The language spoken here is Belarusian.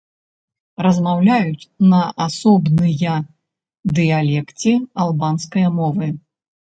Размаўляюць на асобныя дыялекце албанскай мовы.